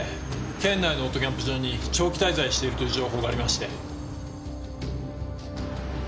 県内のオートキャンプ場に長期滞在しているという情報がありまして。